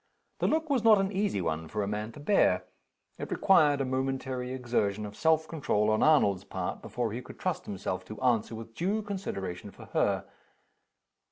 The look was not an easy one for a man to bear. It required a momentary exertion of self control on Arnold's part, before he could trust himself to answer with due consideration for her.